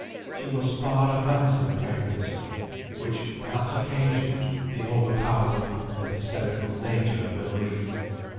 She was far advanced in pregnancy, which perhaps occasioned the overpowering and hysterical nature of her grief.